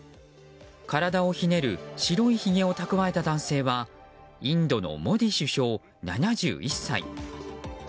体をひねる白いひげを蓄えた男性はインドのモディ首相、７１歳。